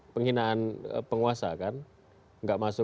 penghinaan penguasa kan